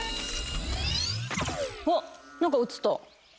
わっ何か映った。